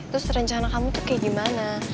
terus rencana kamu tuh kayak gimana